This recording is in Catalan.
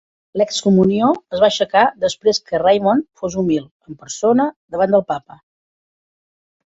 L'excomunió es va aixecar després que Raymond fos humil en persona davant del Papa.